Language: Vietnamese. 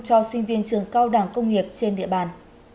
cho sinh viên trường cao đẳng công nghiệp trên địa bàn